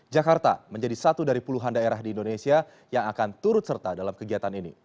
jakarta menjadi satu dari puluhan daerah di indonesia yang akan turut serta dalam kegiatan ini